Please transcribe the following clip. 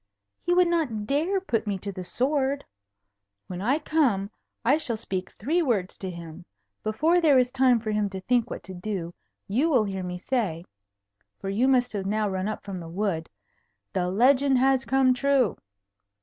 He would not dare to put me to the sword. When I come, I shall speak three words to him. Before there is time for him to think what to do, you will hear me say (for you must have now run up from the wood) 'the legend has come true!'